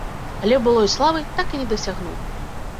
Але былой славы так і не дасягнуў.